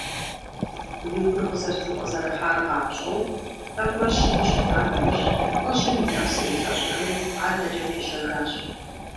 И гур къызэрызэфӀэзэрыхьар къапщӀэу, тӀэкӀурэ щыму щыта нэужь, лӀыжьым и нэпсыр илъэщӀыжри, адэкӀэ пищэжащ.